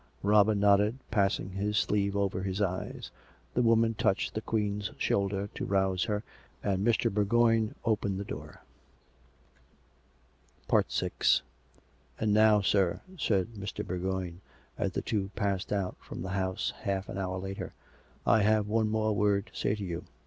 Robin nodded, passing his sleeve over his eyes. The woman touclied the Queen's shoulder to rouse her, and Mr. Bourgoign opened the door. VI " And now, sir," said Mr. Bourgoign, as the two passed out from the house half an hour later, " I have one more word to say to you.